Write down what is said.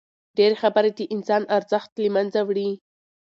ډېري خبري د انسان ارزښت له منځه وړي.